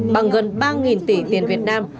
bằng gần ba tỷ tiền việt nam